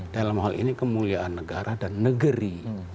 dalam hal ini kemuliaan negara dan negeri